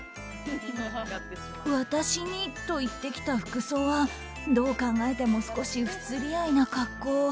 私にと言ってきた服装はどう考えても少し不釣り合いな格好。